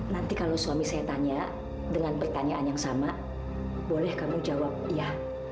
nanti kalau suami saya tanya dengan pertanyaan yang sama boleh kamu jawab ya